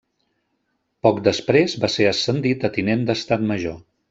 Poc després va ser ascendit a tinent d'Estat Major.